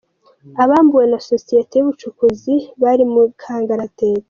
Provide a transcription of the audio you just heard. Abambuwe na Sosiyeti y’ubucukuzi bari mu Kangaratete